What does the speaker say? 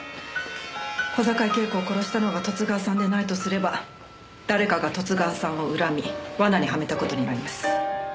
小坂井恵子を殺したのが十津川さんでないとすれば誰かが十津川さんを恨み罠にはめた事になります。